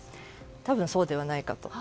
多分そうではないかと。